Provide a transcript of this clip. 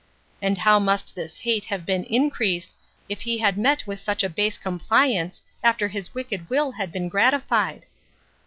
And how must this hate have been increased, if he had met with such a base compliance, after his wicked will had been gratified.